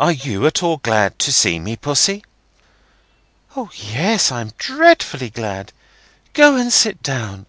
"Are you at all glad to see me, Pussy?" "O, yes, I'm dreadfully glad.—Go and sit down.